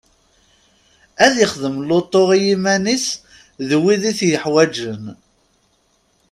Ad ixdem lutu i yiman-is d wid i t-yuḥwaǧen.